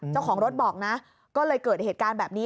เจ้าของรถบอกนะก็เลยเกิดเหตุการณ์แบบนี้